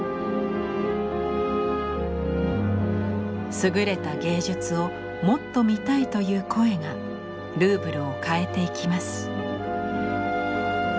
優れた芸術をもっと見たいという声がルーブルを変えていきます。